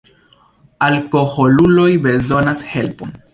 Alkoholuloj bezonas helpon.